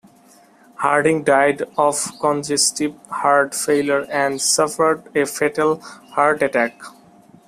Harding died of congestive heart failure and suffered a fatal heart attack.